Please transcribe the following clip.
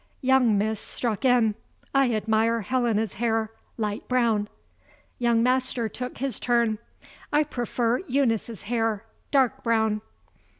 Young Miss struck in: "I admire Helena's hair light brown." Young Master took his turn: "I prefer Eunice's hair dark brown."